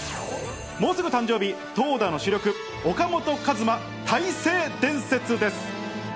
もうすぐ誕生日、投打の主力、岡本和真、大勢伝説です。